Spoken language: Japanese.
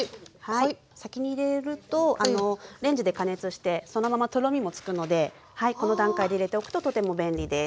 先に入れるとレンジで加熱してそのままとろみもつくのでこの段階で入れておくととても便利です。